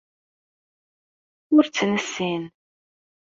Ur tt-nessin.